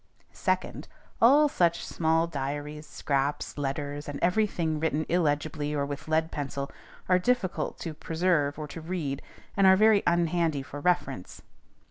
Second, All such small diaries, scraps, letters, and every thing written illegibly or with lead pencil, are difficult to preserve or to read, and are very unhandy for reference.